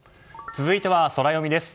続いてはソラよみです。